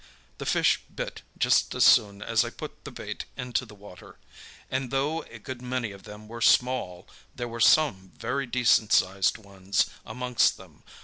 The fish bit just as soon as I put the bait into the water, and though a good many of them were small there were some very decent sized ones amongst them.